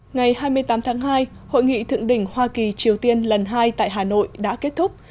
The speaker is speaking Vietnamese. ngày hai mươi tám tháng hai hội nghị thượng đỉnh hoa kỳ triều tiên lần hai tại hà nội đã kết thúc